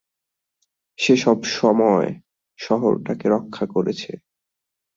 সে সব সময় শহরটাকে রক্ষা করেছে।